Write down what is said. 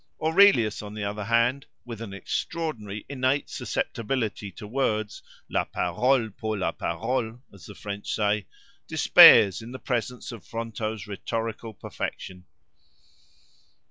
Aurelius, on the other hand, with an extraordinary innate susceptibility to words—la parole pour la parole, as the French say—despairs, in presence of Fronto's rhetorical perfection.